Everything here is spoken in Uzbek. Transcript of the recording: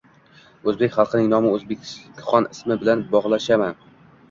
O’zbek xalqining nomini O’zbekxon ismi bilan bog’lashadi.